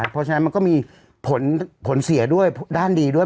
เพราะฉะนั้นมันก็มีผลเสียด้วยด้านดีด้วย